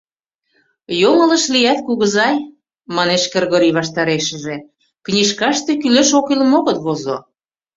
— Йоҥылыш лият, кугызай, — манеш Кыргорий ваштарешыже, — книжкаште кӱлеш-оккӱлым огыт возо.